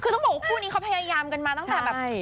คือต้องบอกว่าคู่นี้เขาพยายามกันมาตั้งแต่แบบ